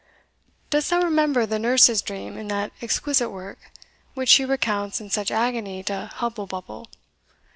Dost thou remember the Nurse's dream in that exquisite work, which she recounts in such agony to Hubble Bubble?